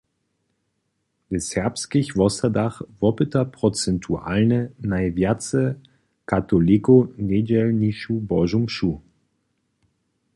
W serbskich wosadach wopyta procentualnje najwjace katolikow njedźelnišu Božu mšu.